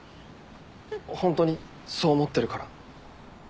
ホントにそう思ってるから。